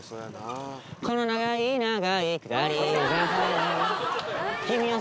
この長い長い下り坂を